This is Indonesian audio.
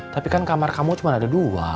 tapi kan kamar kamu cuma ada dua